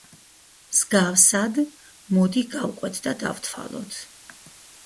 მსგავსად, მოდი გავყვეთ და დავთვალოთ.